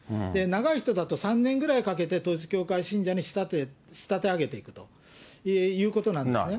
長い人だと３年ぐらいかけて、統一教会信者に仕立て上げていくということなんですね。